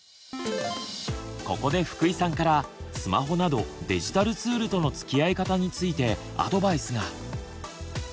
ここで福井さんからスマホなどデジタルツールとのつきあい方についてアドバイスが。